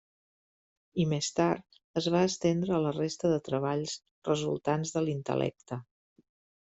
I més tard, es va estendre a la resta de treballs resultants de l'intel·lecte.